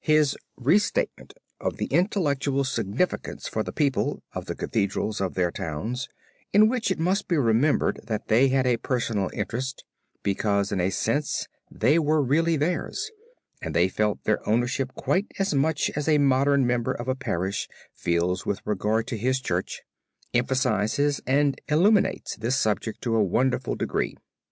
His re statement of the intellectual significance for the people of the Cathedrals of their towns, in which it must be remembered that they had a personal interest because in a sense they were really theirs, and they felt their ownership quite as much as a modern member of a parish feels with regard to his church, emphasizes and illuminates this subject to a wonderful degree.